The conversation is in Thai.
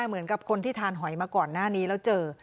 เหมือนกับคนที่ทานหอยมาก่อนหน้านี้แล้วเจอ